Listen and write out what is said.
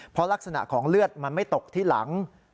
เพราะลักษณะของเลือดมันไม่ตกที่หลัง